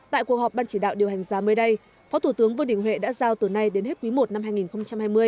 tại cuộc họp ban chỉ đạo điều hành giá mới đây phó thủ tướng vương đình huệ đã giao từ nay đến hết quý i năm hai nghìn hai mươi